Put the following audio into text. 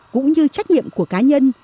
cũng như trách nhiệm của cá nhân